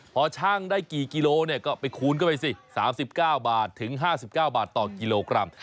พอช่างได้กี่กิโลก็ไปคูณเข้าไปสิ๓๙บาทถึง๕๙บาทต่อกิโลกรัม